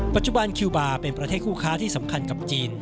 ปัจจุบันคิวบาร์เป็นประเทศคู่ค้าที่สำคัญกับจีน